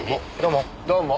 どうも。